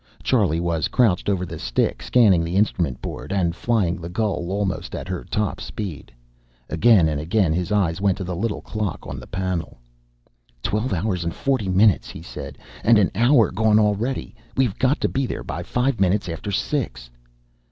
Charlie was crouched over the stick, scanning the instrument board, and flying the Gull almost at her top speed. Again and again his eyes went to the little clock on the panel. "Twelve hours and forty minutes," he said. "And an hour gone already! We're got to be there by five minutes after six."